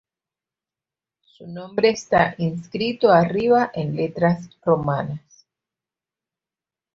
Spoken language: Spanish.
Su nombre está inscrito arriba en letras romanas.